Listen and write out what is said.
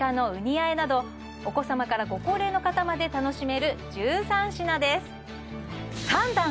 和えなどお子さまからご高齢の方まで楽しめる１３品です